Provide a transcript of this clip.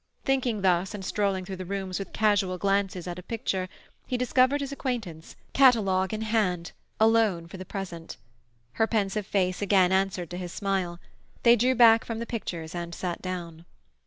Thinking thus, and strolling through the rooms with casual glances at a picture, he discovered his acquaintance, catalogue in hand, alone for the present. Her pensive face again answered to his smile. They drew back from the pictures and sat down.